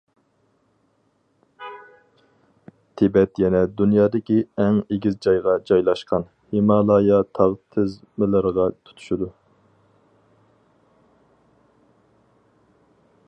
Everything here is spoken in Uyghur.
تىبەت يەنە دۇنيادىكى ئەڭ ئېگىز جايغا جايلاشقان، ھىمالايا تاغ تىزمىلىرىغا تۇتىشىدۇ.